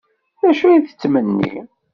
D acu ay tettmenni?